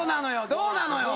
どうなのよ？